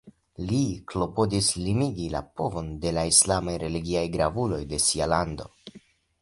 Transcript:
Li klopodis limigi la povon de la islamaj religiaj gravuloj de sia lando.